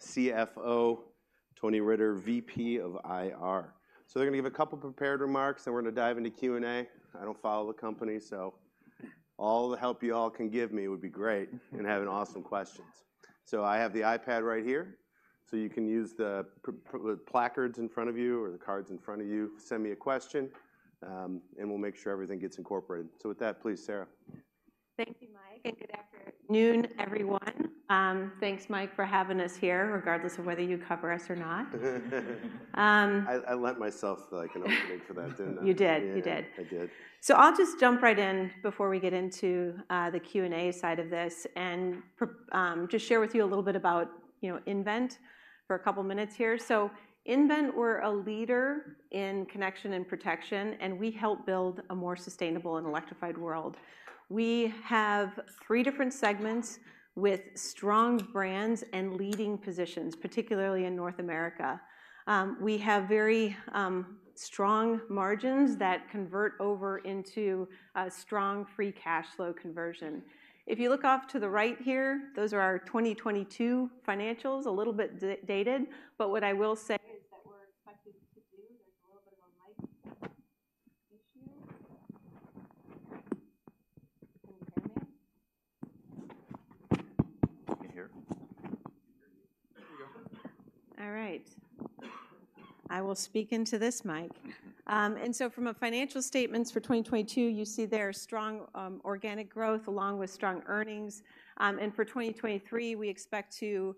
CFO, Tony Riter, VP of IR. So they're gonna give a couple prepared remarks, then we're gonna dive into Q&A. I don't follow the company, so all the help you all can give me would be great and having awesome questions. So I have the iPad right here, so you can use the placards in front of you or the cards in front of you. Send me a question, and we'll make sure everything gets incorporated. So with that, please, Sara. Thank you, Mike, and good afternoon, everyone. Thanks, Mike, for having us here, regardless of whether you cover us or not. I lent myself, like, an opening for that, didn't I? You did. Yeah. You did. I did. So I'll just jump right in before we get into the Q&A side of this, and just share with you a little bit about, you know, nVent for a couple minutes here. So nVent, we're a leader in connection and protection, and we help build a more sustainable and electrified world. We have three different segments with strong brands and leading positions, particularly in North America. We have very strong margins that convert over into a strong free cash flow conversion. If you look off to the right here, those are our 2022 financials, a little bit dated, but what I will say is that we're expected to do... There's a little bit of a mic issue. Can you hear me? Can you hear? We hear you. All right. I will speak into this mic. And so from a financial statements for 2022, you see there strong, organic growth along with strong earnings. And for 2023, we expect to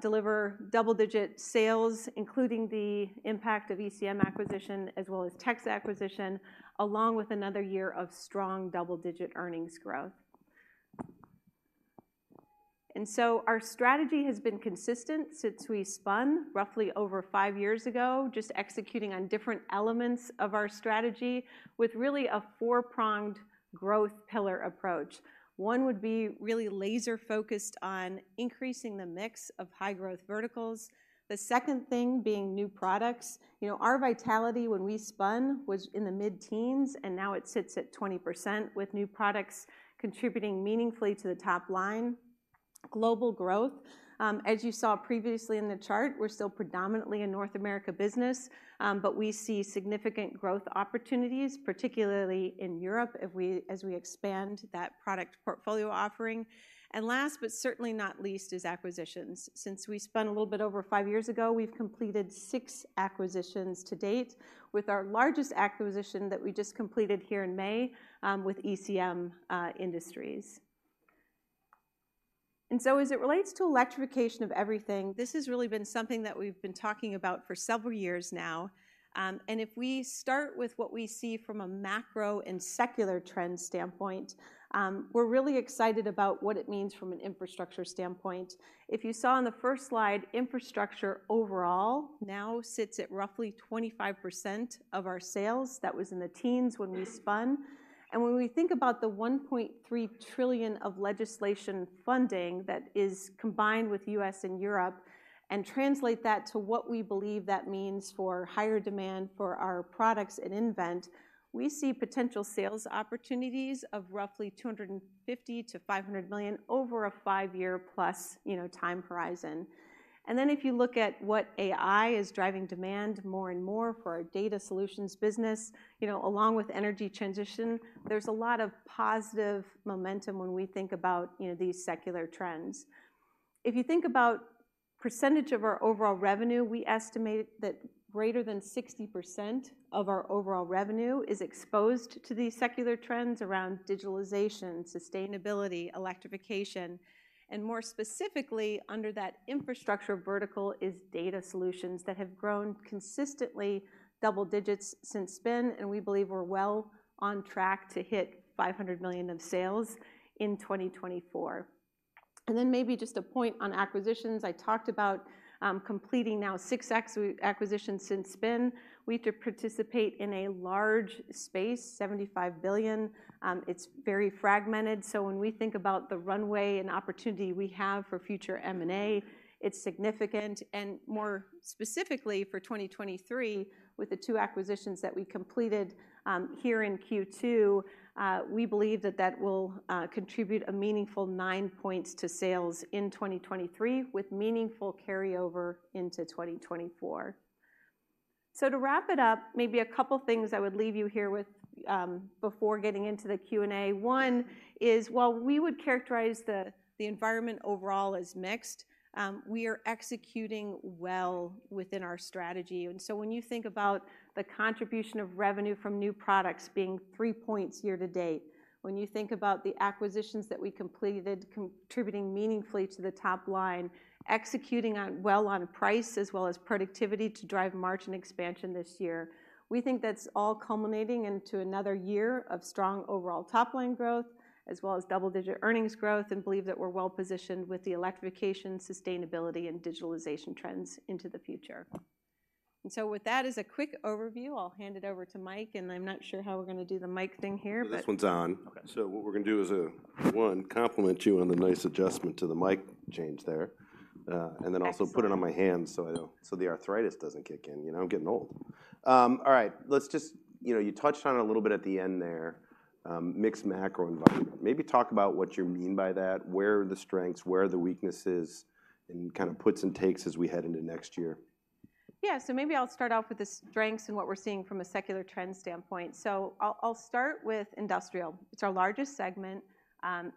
deliver double-digit sales, including the impact of ECM acquisition, as well as TEXA acquisition, along with another year of strong double-digit earnings growth. And so our strategy has been consistent since we spun roughly over five years ago, just executing on different elements of our strategy, with really a four-pronged growth pillar approach. One would be really laser-focused on increasing the mix of high-growth verticals. The second thing being new products. You know, our vitality when we spun was in the mid-teens, and now it sits at 20%, with new products contributing meaningfully to the top line. Global growth. As you saw previously in the chart, we're still predominantly a North America business, but we see significant growth opportunities, particularly in Europe, as we expand that product portfolio offering. Last, but certainly not least, is acquisitions. Since we spun a little bit over five years ago, we've completed six acquisitions to date, with our largest acquisition that we just completed here in May with ECM Industries. So as it relates to electrification of everything, this has really been something that we've been talking about for several years now. If we start with what we see from a macro and secular trend standpoint, we're really excited about what it means from an infrastructure standpoint. If you saw on the first slide, infrastructure overall now sits at roughly 25% of our sales. That was in the teens when we spun. And when we think about the $1.3 trillion of legislation funding that is combined with U.S. and Europe and translate that to what we believe that means for higher demand for our products at nVent, we see potential sales opportunities of roughly $250 million-$500 million over a 5-year+, you know, time horizon. And then if you look at what AI is driving demand more and more for our data solutions business, you know, along with energy transition, there's a lot of positive momentum when we think about, you know, these secular trends. If you think about percentage of our overall revenue, we estimate that greater than 60% of our overall revenue is exposed to these secular trends around digitalization, sustainability, electrification. More specifically, under that infrastructure vertical is data solutions that have grown consistently double digits since spin, and we believe we're well on track to hit $500 million of sales in 2024. Then maybe just a point on acquisitions. I talked about completing six acquisitions since spin. We had to participate in a large space, $75 billion. It's very fragmented, so when we think about the runway and opportunity we have for future M&A, it's significant. And more specifically, for 2023, with the two acquisitions that we completed here in Q2, we believe that that will contribute a meaningful nine points to sales in 2023, with meaningful carryover into 2024. So to wrap it up, maybe a couple things I would leave you here with before getting into the Q&A. One is, while we would characterize the environment overall as mixed, we are executing well within our strategy. And so when you think about the contribution of revenue from new products being three points year to date, when you think about the acquisitions that we completed contributing meaningfully to the top line, executing on, well on price as well as productivity to drive margin expansion this year, we think that's all culminating into another year of strong overall top-line growth, as well as double-digit earnings growth, and believe that we're well positioned with the electrification, sustainability, and digitalization trends into the future. And so with that as a quick overview, I'll hand it over to Mike, and I'm not sure how we're gonna do the mic thing here, but- This one's on. Okay. So what we're gonna do is, one, compliment you on the nice adjustment to the mic change there, Excellent. - and then also put it on my hand, so the arthritis doesn't kick in. You know, I'm getting old. All right, let's just... You know, you touched on it a little bit at the end there, mixed macro environment. Maybe talk about what you mean by that, where are the strengths, where are the weaknesses, and kind of puts and takes as we head into next year?... Yeah, so maybe I'll start off with the strengths and what we're seeing from a secular trend standpoint. So I'll start with industrial. It's our largest segment.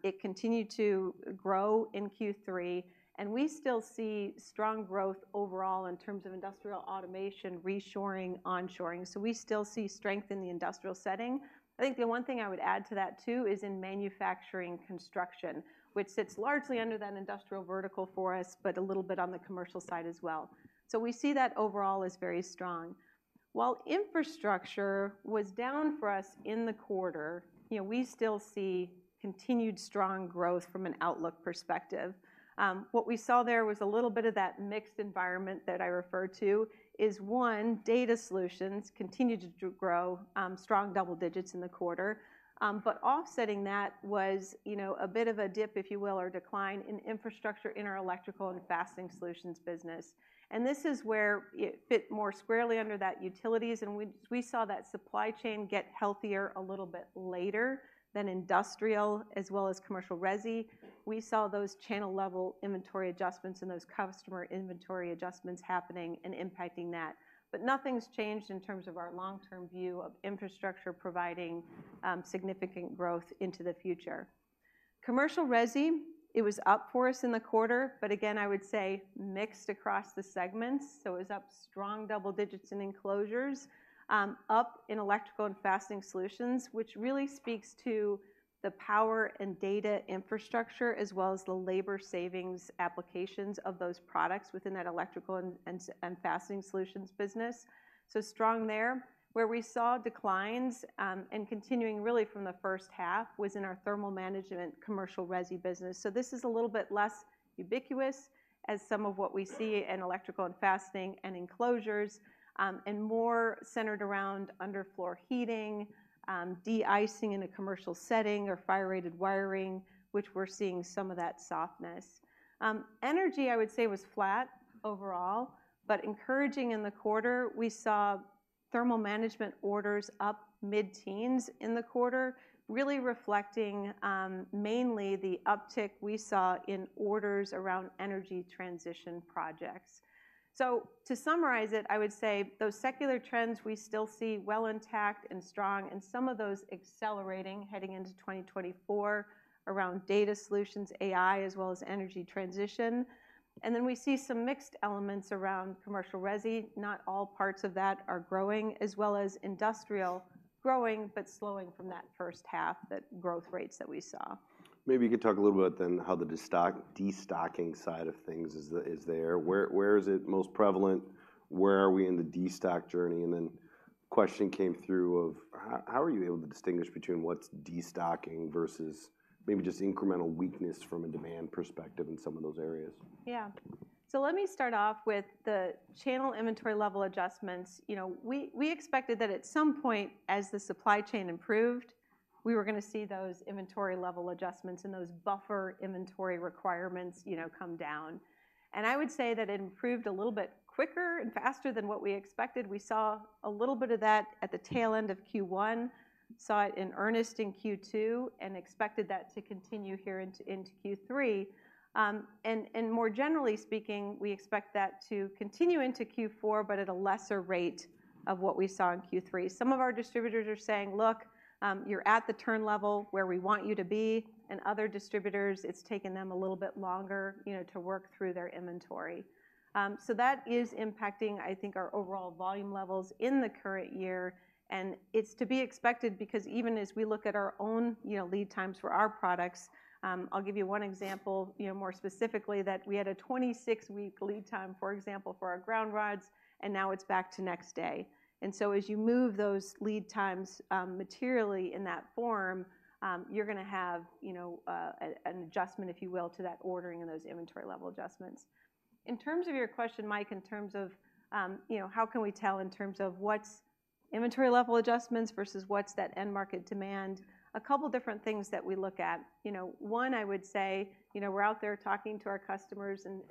It continued to grow in Q3, and we still see strong growth overall in terms of industrial automation, reshoring, onshoring. So we still see strength in the industrial setting. I think the one thing I would add to that, too, is in manufacturing construction, which sits largely under that industrial vertical for us, but a little bit on the commercial side as well. So we see that overall as very strong. While infrastructure was down for us in the quarter, you know, we still see continued strong growth from an outlook perspective. What we saw there was a little bit of that mixed environment that I referred to, is one, Data Solutions continued to grow strong double digits in the quarter. But offsetting that was, you know, a bit of a dip, if you will, or decline in infrastructure in our Electrical and Fastening Solutions business. And this is where it fit more squarely under that utilities, and we saw that supply chain get healthier a little bit later than industrial as well as commercial resi. We saw those channel level inventory adjustments and those customer inventory adjustments happening and impacting that. But nothing's changed in terms of our long-term view of infrastructure providing significant growth into the future. Commercial resi, it was up for us in the quarter, but again, I would say mixed across the segments. So it was up strong double digits in Enclosures, up in Electrical and Fastening Solutions, which really speaks to the power and data infrastructure, as well as the labor savings applications of those products within that electrical and fastening solutions business. So strong there. Where we saw declines, and continuing really from the first half, was in our Thermal Management commercial resi business. So this is a little bit less ubiquitous as some of what we see in electrical, and fastening, and enclosures, and more centered around underfloor heating, de-icing in a commercial setting or fire-rated wiring, which we're seeing some of that softness. Energy, I would say, was flat overall, but encouraging in the quarter, we saw Thermal Management orders up mid-teens in the quarter, really reflecting, mainly the uptick we saw in orders around energy transition projects. So to summarize it, I would say those secular trends we still see well intact and strong, and some of those accelerating heading into 2024 around data solutions, AI, as well as energy transition. And then we see some mixed elements around commercial resi, not all parts of that are growing, as well as industrial growing, but slowing from that first half, that growth rates that we saw. Maybe you could talk a little about then how the destocking side of things is there. Where is it most prevalent? Where are we in the destock journey? And then question came through of how are you able to distinguish between what's destocking versus maybe just incremental weakness from a demand perspective in some of those areas? Yeah. So let me start off with the channel inventory level adjustments. You know, we expected that at some point, as the supply chain improved, we were gonna see those inventory level adjustments and those buffer inventory requirements, you know, come down. And I would say that it improved a little bit quicker and faster than what we expected. We saw a little bit of that at the tail end of Q1, saw it in earnest in Q2, and expected that to continue here into Q3. And more generally speaking, we expect that to continue into Q4, but at a lesser rate of what we saw in Q3. Some of our distributors are saying, "Look, you're at the turn level where we want you to be," and other distributors, it's taken them a little bit longer, you know, to work through their inventory. So that is impacting, I think, our overall volume levels in the current year, and it's to be expected because even as we look at our own, you know, lead times for our products, I'll give you one example, you know, more specifically, that we had a 26-week lead time, for example, for our ground rods, and now it's back to next day. And so as you move those lead times, materially in that form, you're gonna have, you know, an adjustment, if you will, to that ordering and those inventory level adjustments. In terms of your question, Mike, in terms of, you know, how can we tell in terms of what's inventory level adjustments versus what's that end market demand? A couple different things that we look at. You know, one, I would say, you know, we're out there talking to our customers and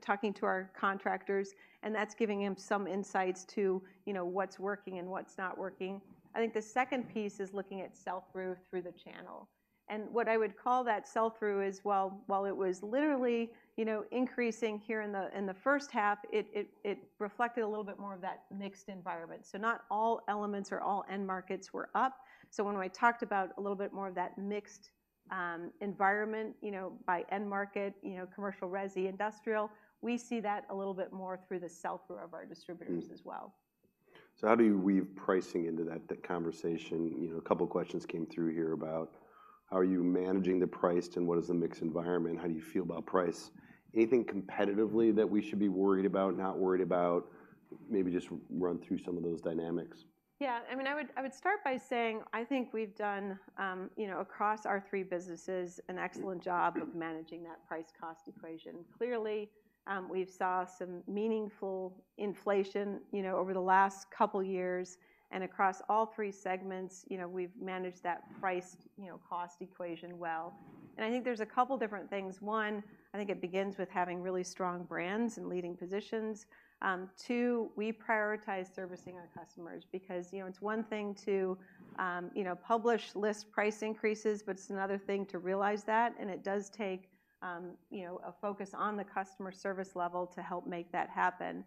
talking to our contractors, and that's giving him some insights to, you know, what's working and what's not working. I think the second piece is looking at sell-through through the channel. And what I would call that sell-through is, while it was literally, you know, increasing here in the first half, it reflected a little bit more of that mixed environment. So not all elements or all end markets were up. So when we talked about a little bit more of that mixed environment, you know, by end market, you know, commercial resi, industrial, we see that a little bit more through the sell-through of our distributors as well. So how do you weave pricing into that, the conversation? You know, a couple of questions came through here about how are you managing the price, and what is the mixed environment, and how do you feel about price? Anything competitively that we should be worried about, not worried about? Maybe just run through some of those dynamics. Yeah. I mean, I would, I would start by saying I think we've done, you know, across our three businesses, an excellent job of managing that price-cost equation. Clearly, we've saw some meaningful inflation, you know, over the last couple years, and across all three segments, you know, we've managed that price, you know, cost equation well. And I think there's a couple different things. One, I think it begins with having really strong brands and leading positions. Two, we prioritize servicing our customers, because, you know, it's one thing to, you know, publish list price increases, but it's another thing to realize that, and it does take, you know, a focus on the customer service level to help make that happen.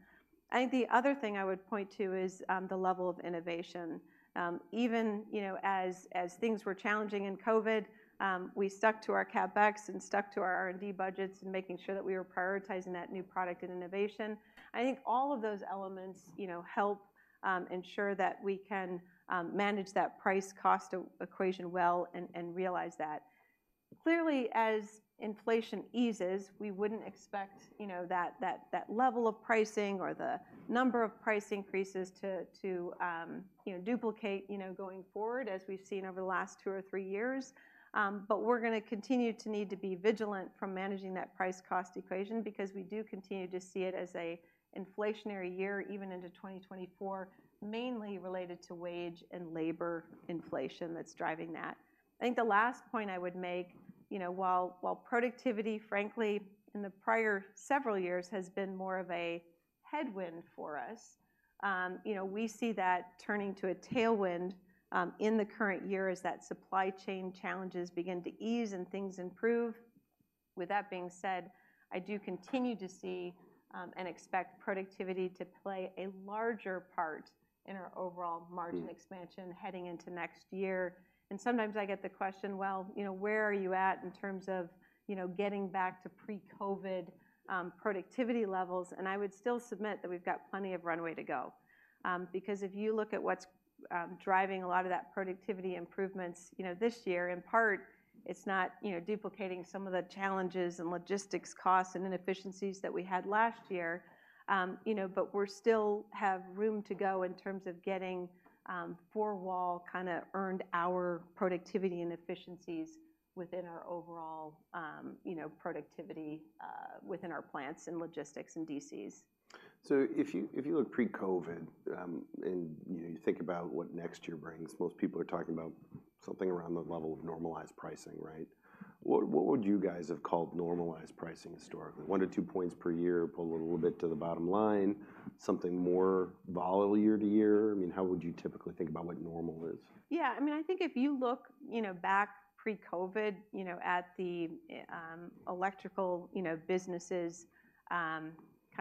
I think the other thing I would point to is, the level of innovation. Even, you know, as things were challenging in COVID, we stuck to our CapEx and stuck to our R&D budgets and making sure that we were prioritizing that new product and innovation. I think all of those elements, you know, help ensure that we can manage that price-cost equation well and realize that. Clearly, as inflation eases, we wouldn't expect, you know, that level of pricing or the number of price increases to duplicate going forward, as we've seen over the last two or three years. But we're gonna continue to need to be vigilant from managing that price-cost equation, because we do continue to see it as an inflationary year, even into 2024, mainly related to wage and labor inflation that's driving that. I think the last point I would make, you know, while productivity, frankly, in the prior several years, has been more of a headwind for us, you know, we see that turning to a tailwind, in the current year as that supply chain challenges begin to ease and things improve. With that being said, I do continue to see, and expect productivity to play a larger part in our overall- Mm... margin expansion heading into next year. And sometimes I get the question: Well, you know, where are you at in terms of, you know, getting back to pre-COVID productivity levels? And I would still submit that we've got plenty of runway to go. Because if you look at what's driving a lot of that productivity improvements, you know, this year, in part, it's not, you know, duplicating some of the challenges and logistics costs and inefficiencies that we had last year, you know, but we're still have room to go in terms of getting four wall kinda earned hour productivity and efficiencies within our overall, you know, productivity within our plants and logistics and DCs. If you look pre-COVID, you know, and you think about what next year brings, most people are talking about something around the level of normalized pricing, right? What would you guys have called normalized pricing historically? 1-2 points per year pull a little bit to the bottom line, something more volatile year-to-year? I mean, how would you typically think about what normal is? Yeah, I mean, I think if you look, you know, back pre-COVID, you know, at the, electrical, you know, businesses', kind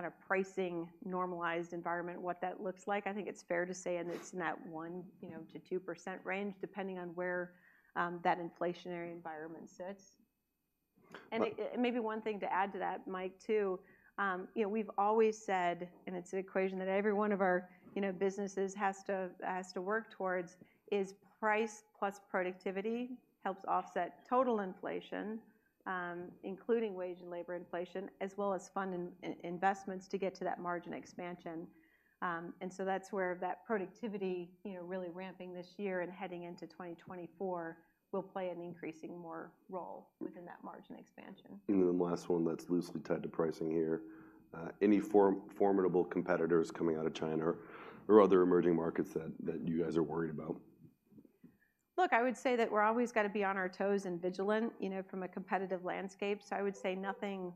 of pricing normalized environment, what that looks like, I think it's fair to say, and it's in that 1%-2% range, depending on where that inflationary environment sits. But- And maybe one thing to add to that, Mike, too, you know, we've always said, and it's an equation that every one of our, you know, businesses has to, has to work towards, is price plus productivity helps offset total inflation, including wage and labor inflation, as well as funding investments to get to that margin expansion. And so that's where that productivity, you know, really ramping this year and heading into 2024, will play an increasing more role within that margin expansion. And then the last one that's loosely tied to pricing here, any formidable competitors coming out of China or other emerging markets that you guys are worried about? Look, I would say that we're always gonna be on our toes and vigilant, you know, from a competitive landscape. So I would say nothing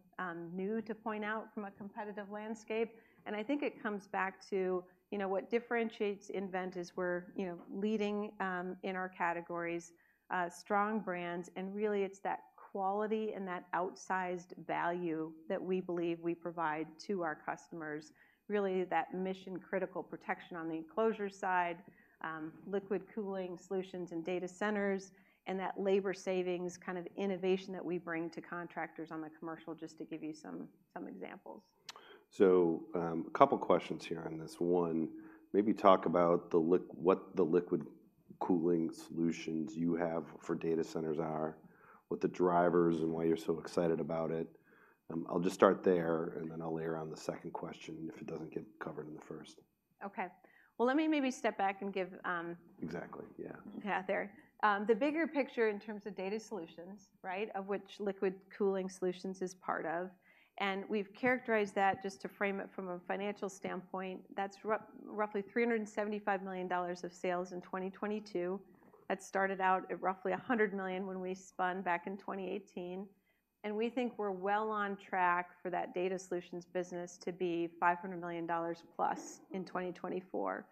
new to point out from a competitive landscape. And I think it comes back to, you know, what differentiates nVent is we're, you know, leading in our categories, strong brands, and really, it's that quality and that outsized value that we believe we provide to our customers. Really, that mission-critical protection on the enclosure side, liquid cooling solutions and data centers, and that labor savings, kind of innovation that we bring to contractors on the commercial, just to give you some, some examples. A couple questions here on this. One, maybe talk about what the liquid cooling solutions you have for data centers are, what the drivers, and why you're so excited about it. I'll just start there, and then I'll layer on the second question if it doesn't get covered in the first. Okay. Well, let me maybe step back and give, Exactly, yeah. Yeah, there. The bigger picture in terms of Data Solutions, right, of which liquid cooling solutions is part of, and we've characterized that, just to frame it from a financial standpoint, that's roughly $375 million of sales in 2022. That started out at roughly $100 million when we spun back in 2018, and we think we're well on track for that Data Solutions business to be $500 million plus in 2024.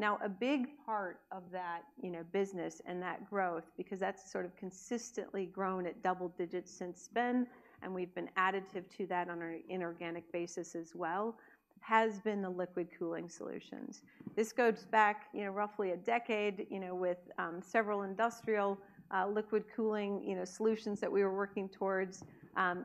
Now, a big part of that, you know, business and that growth, because that's sort of consistently grown at double digits since spin, and we've been additive to that on an inorganic basis as well, has been the liquid cooling solutions. This goes back, you know, roughly a decade, you know, with several industrial liquid cooling, you know, solutions that we were working towards.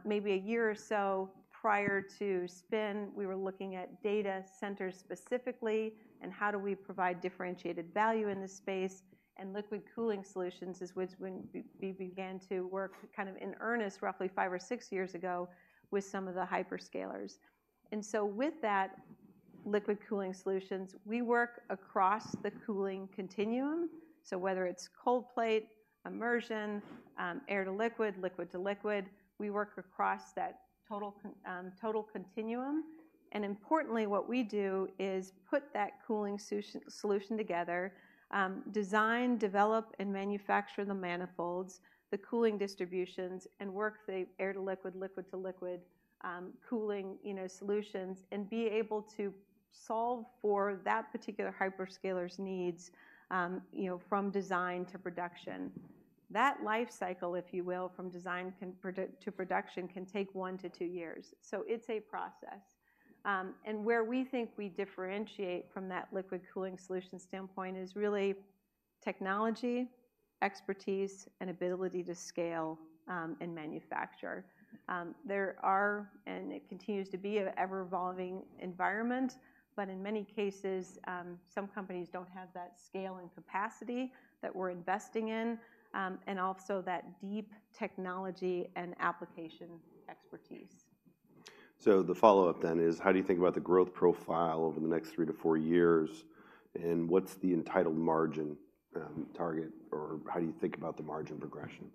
Maybe a year or so prior to spin, we were looking at data centers specifically, and how do we provide differentiated value in this space, and liquid cooling solutions is which when we began to work kind of in earnest, roughly five or six years ago, with some of the hyperscalers. And so with that liquid cooling solutions, we work across the cooling continuum, so whether it's cold plate, immersion, air to liquid, liquid to liquid, we work across that total continuum. And importantly, what we do is put that cooling solution together, design, develop, and manufacture the manifolds, the cooling distributions, and work the air to liquid, liquid to liquid, cooling, you know, solutions, and be able to solve for that particular hyperscaler's needs, you know, from design to production.... That life cycle, if you will, from design to production, can take 1-2 years. So it's a process. And where we think we differentiate from that liquid cooling solution standpoint is really technology, expertise, and ability to scale, and manufacture. There are, and it continues to be, an ever-evolving environment, but in many cases, some companies don't have that scale and capacity that we're investing in, and also that deep technology and application expertise. The follow-up then is, how do you think about the growth profile over the next 3-4 years, and what's the entitled margin target, or how do you think about the margin progression?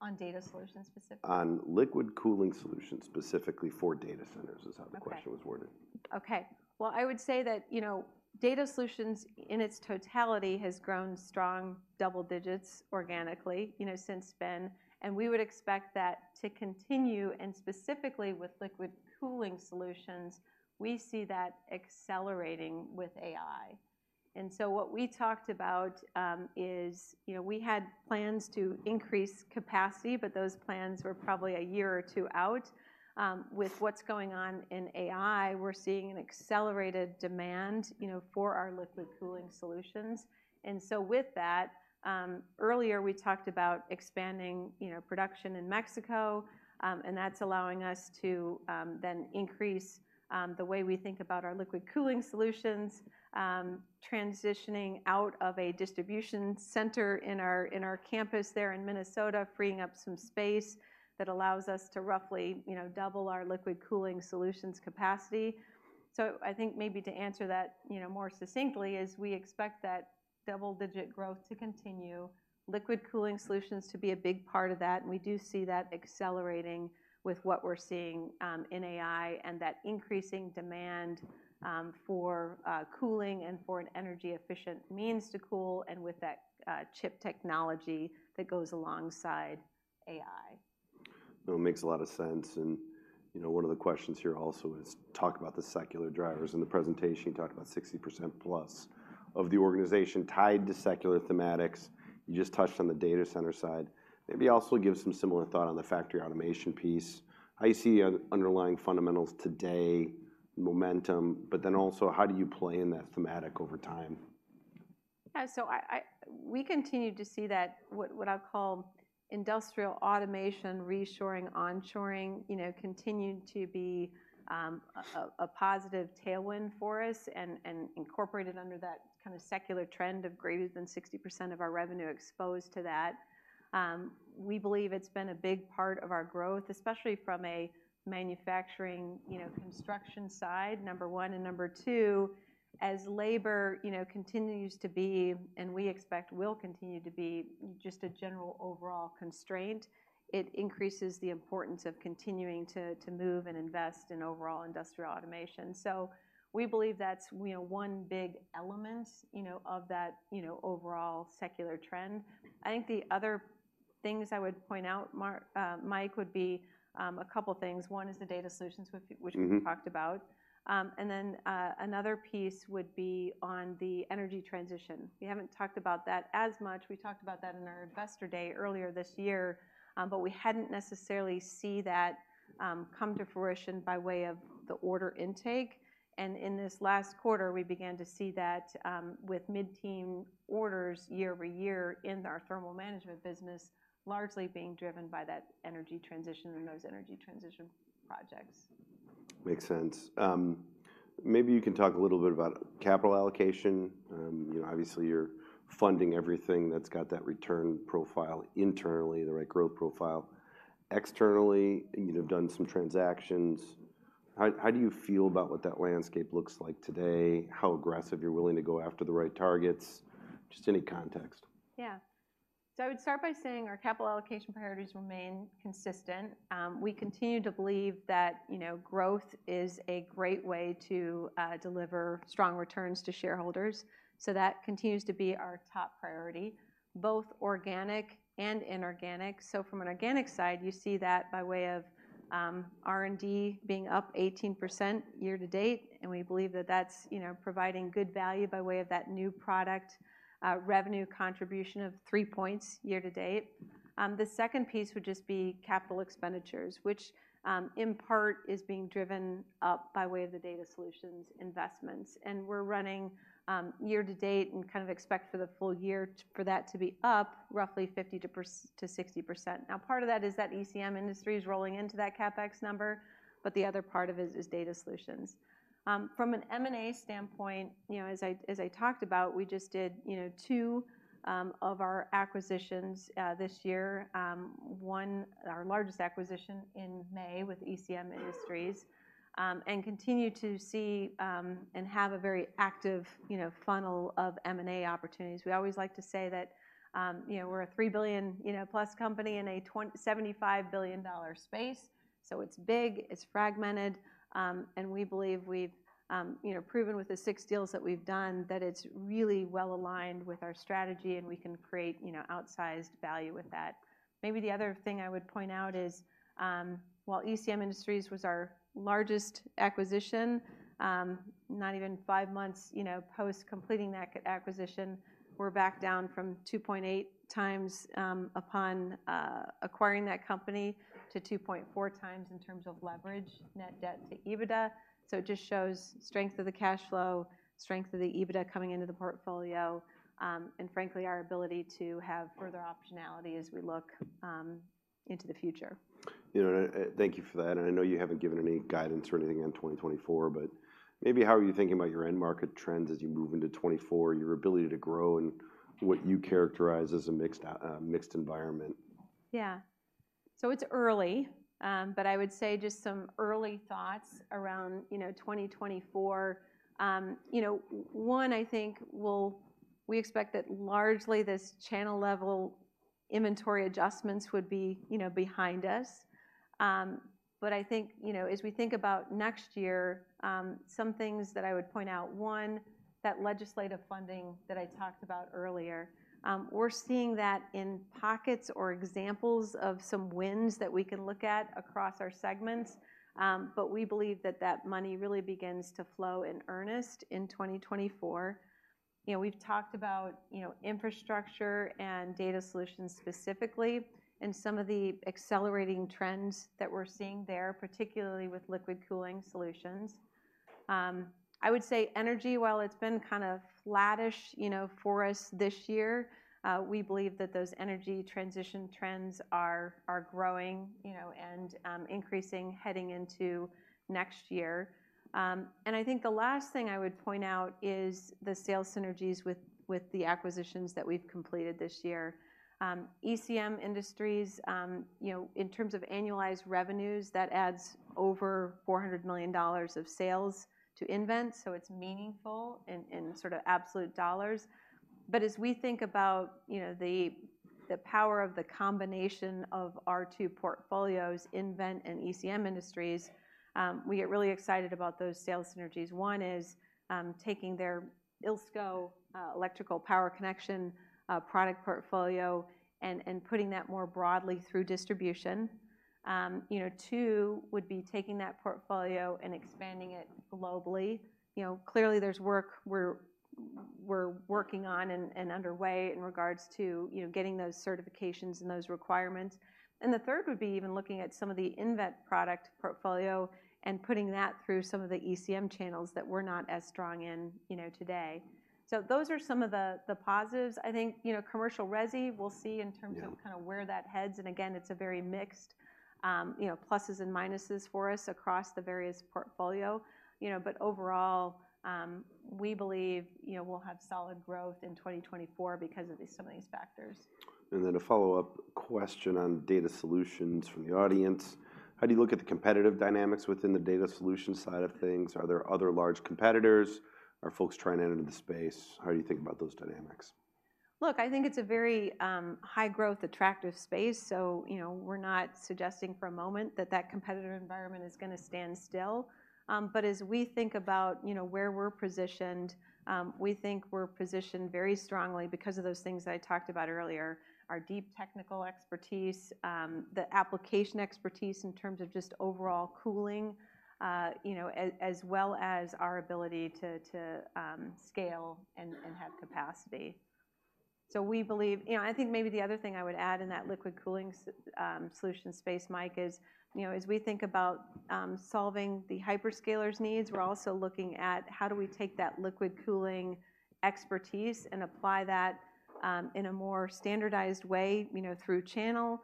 On Data Solutions specifically? On liquid cooling solutions, specifically for data centers, is how the question was worded. Okay. Well, I would say that, you know, Data Solutions in its totality has grown strong double digits organically, you know, since then, and we would expect that to continue, and specifically with Liquid Cooling Solutions, we see that accelerating with AI. And so what we talked about is, you know, we had plans to increase capacity, but those plans were probably a year or two out. With what's going on in AI, we're seeing an accelerated demand, you know, for our Liquid Cooling Solutions. And so with that, earlier we talked about expanding, you know, production in Mexico, and that's allowing us to then increase the way we think about our liquid cooling solutions, transitioning out of a distribution center in our campus there in Minnesota, freeing up some space that allows us to roughly, you know, double our liquid cooling solutions capacity. So I think maybe to answer that, you know, more succinctly, is we expect that double-digit growth to continue, liquid cooling solutions to be a big part of that, and we do see that accelerating with what we're seeing in AI, and that increasing demand for cooling and for an energy-efficient means to cool, and with that chip technology that goes alongside AI. Well, it makes a lot of sense, and, you know, one of the questions here also is, talk about the secular drivers. In the presentation, you talked about 60% plus of the organization tied to secular thematics. You just touched on the data center side. Maybe also give some similar thought on the factory automation piece. How do you see underlying fundamentals today, momentum, but then also, how do you play in that thematic over time? Yeah, so we continue to see that, what I'll call industrial automation, reshoring, onshoring, you know, continue to be a positive tailwind for us and incorporated under that kind of secular trend of greater than 60% of our revenue exposed to that. We believe it's been a big part of our growth, especially from a manufacturing, you know, construction side, number one and number two, as labor, you know, continues to be, and we expect will continue to be, just a general overall constraint, it increases the importance of continuing to move and invest in overall industrial automation. So we believe that's, you know, one big element, you know, of that, you know, overall secular trend. I think the other things I would point out, Mark, Mike, would be a couple things. One is the Data Solutions which- Mm-hmm... we talked about. And then, another piece would be on the Energy Transition. We haven't talked about that as much. We talked about that in our Investor Day earlier this year, but we hadn't necessarily seen that come to fruition by way of the order intake. And in this last quarter, we began to see that with mid-teens orders year-over-year in our Thermal Management business, largely being driven by that Energy Transition and those Energy Transition projects. Makes sense. Maybe you can talk a little bit about capital allocation. You know, obviously, you're funding everything that's got that return profile internally, the right growth profile. Externally, you'd have done some transactions. How do you feel about what that landscape looks like today? How aggressive you're willing to go after the right targets? Just any context. Yeah. So I would start by saying our capital allocation priorities remain consistent. We continue to believe that, you know, growth is a great way to deliver strong returns to shareholders. So that continues to be our top priority, both organic and inorganic. So from an organic side, you see that by way of R&D being up 18% year-to-date, and we believe that that's, you know, providing good value by way of that new product revenue contribution of three points year-to-date. The second piece would just be capital expenditures, which, in part, is being driven up by way of the data solutions investments. And we're running year to date and kind of expect for the full year for that to be up roughly 50%-60%. Now, part of that is that ECM Industries is rolling into that CapEx number, but the other part of it is Data Solutions. From an M&A standpoint, you know, as I talked about, we just did, you know, two of our acquisitions this year. One, our largest acquisition in May with ECM Industries, and continue to see and have a very active, you know, funnel of M&A opportunities. We always like to say that, you know, we're a $3 billion-plus company in a $75 billion-dollar space, so it's big, it's fragmented, and we believe we've, you know, proven with the six deals that we've done, that it's really well-aligned with our strategy, and we can create, you know, outsized value with that. Maybe the other thing I would point out is, while ECM Industries was our largest acquisition, not even five months, you know, post completing that acquisition, we're back down from 2.8 times, upon acquiring that company, to 2.4 times in terms of leverage, net debt to EBITDA. So it just shows strength of the cash flow, strength of the EBITDA coming into the portfolio, and frankly, our ability to have further optionality as we look into the future. You know, thank you for that, and I know you haven't given any guidance or anything on 2024, but maybe how are you thinking about your end market trends as you move into 2024, your ability to grow, and what you characterize as a mixed environment? Yeah. So it's early, but I would say just some early thoughts around, you know, 2024. You know, one, I think we expect that largely this channel level inventory adjustments would be, you know, behind us. But I think, you know, as we think about next year, some things that I would point out: one, that legislative funding that I talked about earlier. We're seeing that in pockets or examples of some wins that we can look at across our segments, but we believe that that money really begins to flow in earnest in 2024. You know, we've talked about, you know, infrastructure and data solutions specifically, and some of the accelerating trends that we're seeing there, particularly with liquid cooling solutions. I would say energy, while it's been kind of flattish, you know, for us this year, we believe that those energy transition trends are growing, you know, and increasing heading into next year. And I think the last thing I would point out is the sales synergies with the acquisitions that we've completed this year. ECM Industries, you know, in terms of annualized revenues, that adds over $400 million of sales to nVent, so it's meaningful in sort of absolute dollars. But as we think about, you know, the power of the combination of our two portfolios, nVent and ECM Industries, we get really excited about those sales synergies. One is taking their ILSCO electrical power connection product portfolio and putting that more broadly through distribution. You know, two, would be taking that portfolio and expanding it globally. You know, clearly, there's work we're working on and underway in regards to, you know, getting those certifications and those requirements. And the third would be even looking at some of the nVent product portfolio and putting that through some of the ECM channels that we're not as strong in, you know, today. So those are some of the positives. I think, you know, commercial resi, we'll see in terms- Yeah... of kind of where that heads, and again, it's a very mixed, you know, pluses and minuses for us across the various portfolio. You know, but overall, we believe, you know, we'll have solid growth in 2024 because of these, some of these factors. A follow-up question on Data Solutions from the audience: How do you look at the competitive dynamics within the data solution side of things? Are there other large competitors? Are folks trying to enter the space? How do you think about those dynamics? Look, I think it's a very high growth, attractive space, so, you know, we're not suggesting for a moment that that competitive environment is gonna stand still. But as we think about, you know, where we're positioned, we think we're positioned very strongly because of those things I talked about earlier: our deep technical expertise, the application expertise in terms of just overall cooling, you know, as well as our ability to scale and have capacity. So we believe... You know, I think maybe the other thing I would add in that liquid cooling solution space, Mike, is, you know, as we think about solving the hyperscalers' needs, we're also looking at how do we take that liquid cooling expertise and apply that in a more standardized way, you know, through channel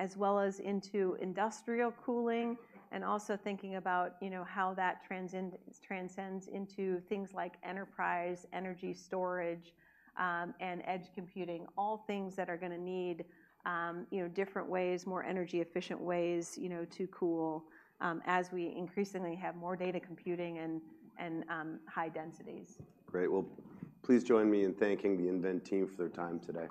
as well as into industrial cooling, and also thinking about, you know, how that transcends into things like enterprise, energy storage, and edge computing. All things that are gonna need, you know, different ways, more energy-efficient ways, you know, to cool as we increasingly have more data computing and high densities. Great. Well, please join me in thanking the nVent team for their time today.